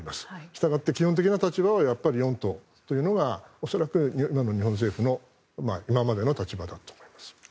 したがって基本的な立場は４島というのが恐らく今の日本政府の今までの立場だと思います。